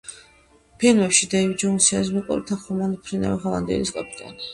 ფილმებში დეივი ჯოუნსი არის მეკობრეთა ხომალდ „მფრინავი ჰოლანდიელის“ კაპიტანი.